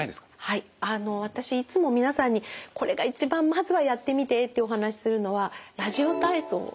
はいあの私いつも皆さんにこれが一番まずはやってみてってお話しするのはラジオ体操です。